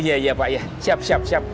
iya iya pak iya siap siap siap